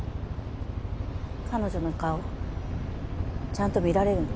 彼女の顔ちゃんと見られるの？